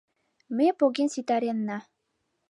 — Ме поген ситаренна.